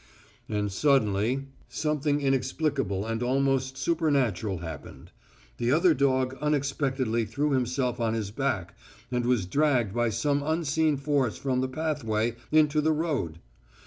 And suddenly ... something inexplicable and almost supernatural happened. The other dog unexpectedly threw himself on his back and was dragged by some unseen force from the pathway into the road.